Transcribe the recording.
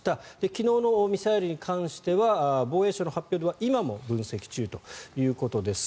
昨日のミサイルに関しては防衛省の発表では今も分析中ということです。